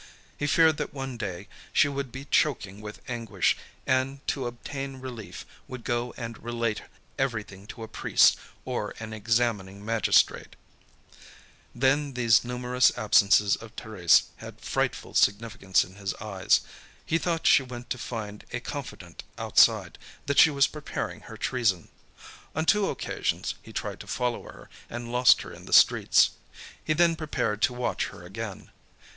He feared that one day she would be choking with anguish, and to obtain relief, would go and relate everything to a priest or an examining magistrate. Then these numerous absences of Thérèse had frightful significance in his eyes. He thought she went to find a confidant outside, that she was preparing her treason. On two occasions he tried to follow her, and lost her in the streets. He then prepared to watch her again.